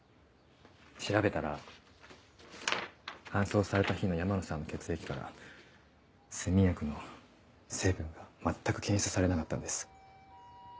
調べたら搬送された日の山野さんの血液から睡眠薬の成分が全く検出されなかったんです。